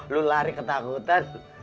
lo lari ketakutan